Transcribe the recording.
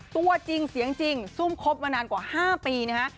ตัวจริงเสียงจริงซุ่มคบมานานกว่า๕ปีนะฮะ